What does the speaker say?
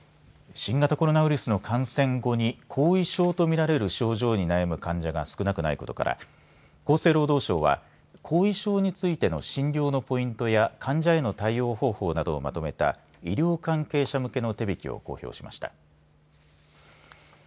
新型コロナウイルスの感染後に後遺症と見られる症状に悩む患者が少ないことから厚生労働省は後遺症についての診療のポイントや患者や対応方法などをまとめた医療関係者向け手引きを公表しました。